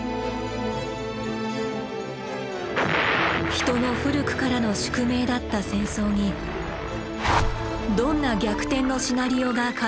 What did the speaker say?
人の古くからの「宿命」だった戦争にどんな逆転のシナリオが可能になるのか？